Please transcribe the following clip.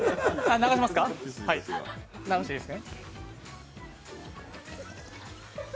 流していいですね。